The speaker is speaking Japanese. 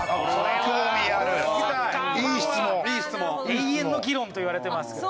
永遠の議論といわれてますけど。